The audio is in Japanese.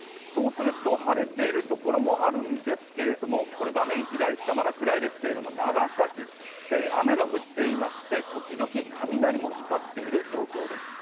晴れているところもあるんですけれども、画面左下、まだ暗いですけれども長崎雨が降っていまして、時々雷も光っている状態です。